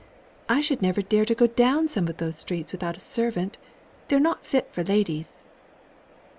I should never dare to go down some of those streets without a servant. They're not fit for ladies."